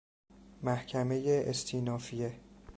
محکمه استینافیه